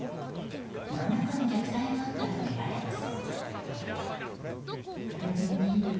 何らかの虐待があったとみられます。